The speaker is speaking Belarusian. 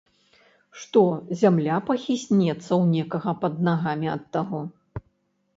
Што, зямля пахіснецца ў некага пад нагамі ад таго?!